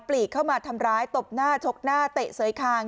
ลีกเข้ามาทำร้ายตบหน้าชกหน้าเตะเสยคาง